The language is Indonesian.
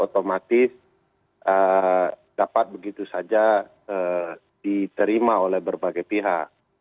otomatis dapat begitu saja diterima oleh berbagai pihak